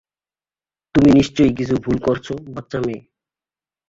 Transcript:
তুমি নিশ্চয়ই কিছু ভুল করছো, বাচ্চা মেয়ে।